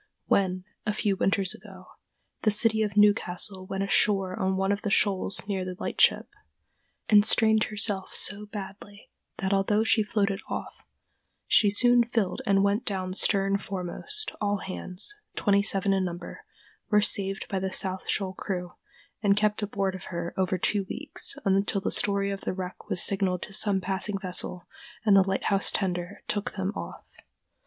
When, a few winters ago, the City of Newcastle went ashore on one of the shoals near the lightship, and strained herself so badly that although she floated off, she soon filled and went down stern foremost, all hands, twenty seven in number, were saved by the South Shoal crew and kept aboard of her over two weeks, until the story of the wreck was signaled to some passing vessel and the lighthouse tender took them off.